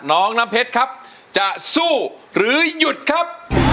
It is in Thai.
น้องน้ำเพชรครับจะสู้หรือหยุดครับ